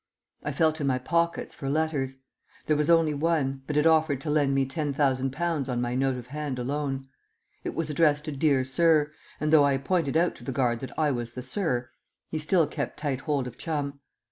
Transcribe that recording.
I felt in my pockets for letters. There was only one, but it offered to lend me £10,000 on my note of hand alone. It was addressed to "Dear Sir," and though I pointed out to the guard that I was the "Sir," he still kept tight hold of Chum.